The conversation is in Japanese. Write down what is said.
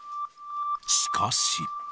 しかし。